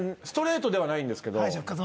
ストレートではないんですけど。